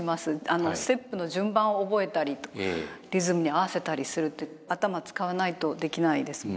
ステップの順番を覚えたりとリズムに合わせたりするという頭使わないとできないですもんね。